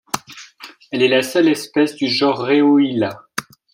Elle est la seule espèce du genre Rheohyla.